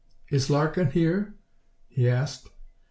"Is Larkin here?" he asked.